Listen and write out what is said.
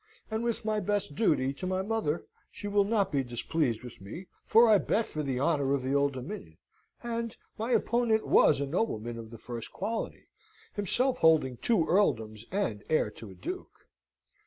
And with my best duty to my mother she will not be displeased with me, for I bett for the honor of the Old Dominion, and my opponent was a nobleman of the first quality, himself holding two Erldomes, and heir to a Duke.